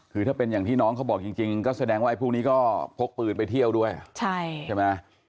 คือถ้าเป็นอย่างที่น้องเขาบอกจริงก็แสดงว่าไอ้พวกนี้ก็พกปืนไปเที่ยวด้วยใช่ไหม